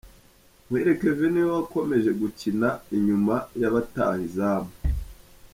Muhire Kevin ni we wakomeje gukina inyuma y’abataha izamu.